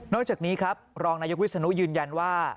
จากนี้ครับรองนายกวิศนุยืนยันว่า